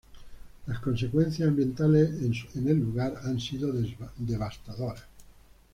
Las consecuencias ambientales en el lugar han sido devastadoras.